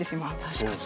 確かに。